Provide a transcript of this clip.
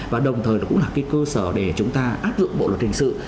và đồng thời nó cũng là cái cơ sở để chúng ta áp dụng bộ luật hình sự